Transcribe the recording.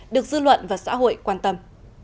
được dư luận và xã hội quan tâm